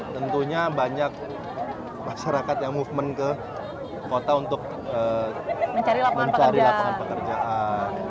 tentunya banyak masyarakat yang movement ke kota untuk mencari lapangan pekerjaan